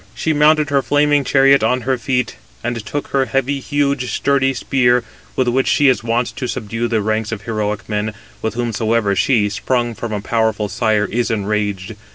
She mounted her flaming chariot on her feet, and took her heavy, huge, sturdy spear, with which she is wont to subdue the ranks of heroic men, with whomsoever she, sprung from a powerful sire, is enraged.